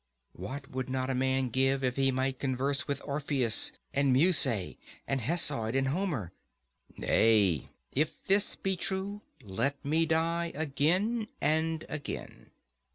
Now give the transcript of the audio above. What would not a man give if he might converse with Orpheus and Musaeus and Hesiod and Homer? Nay, if this be true, let me die again and again.